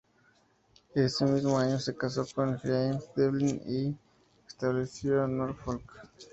Ese mismo año se casó con James Devlin y se estableció en Norfolk.